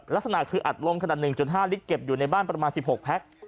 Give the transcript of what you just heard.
ลักษณะคืออัดลมขนาด๑๕ลิตรเก็บอยู่ในบ้านประมาณ๑๖แพ็ค